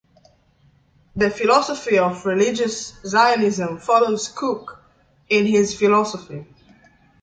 The philosophy of Religious Zionism follows Kook in his philosophy.